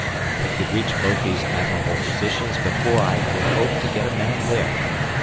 He could reach both these admirable positions before I could hope to get a man there.